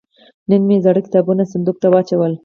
نن مې زاړه کتابونه صندوق ته واچول.